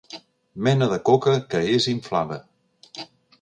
Mena de coca que és inflada.